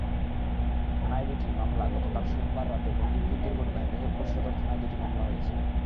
থানায় দুটি মামলাগতকাল সোমবার রাতে বন্দুকযুদ্ধের ঘটনায় মেহেরপুর সদর থানায় দুটি মামলা হয়েছে।